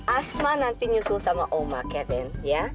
asma nanti nyusul sama oma kevin